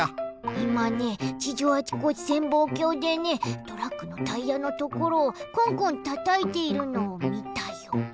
いまね地上あちこち潜望鏡でねトラックのタイヤのところをコンコンたたいているのをみたよ。